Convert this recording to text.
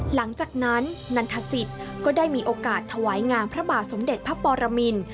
หลังจากนั้นนันทศิษย์ก็ได้มีโอกาสถวายงานพระบาทสมเด็จพระปรมิน